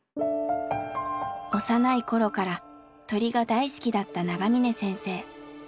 幼い頃から鳥が大好きだった長嶺先生。